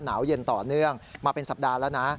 หนาวเย็นต่อเนื่องมาเป็นสัปดาห์แล้วนะ